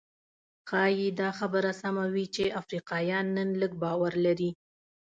ښايي دا خبره سمه وي چې افریقایان نن لږ باور لري.